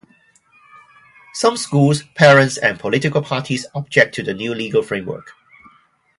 Some schools, parents and political parties object to the new legal framework.